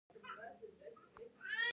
اوړي د افغان ښځو په ژوند کې رول لري.